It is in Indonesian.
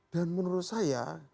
dan menurut saya